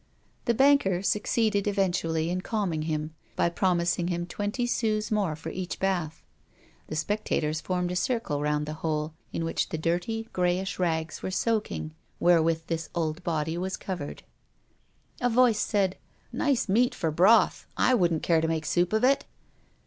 The banker succeeded eventually in calming him by promising him twenty sous more for each bath. The spectators formed a circle round the hole, in which the dirty, grayish rags were soaking wherewith this old body was covered. A voice said: "Nice meat for broth! I wouldn't care to make soup of it!"